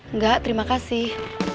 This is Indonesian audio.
enggak terima kasih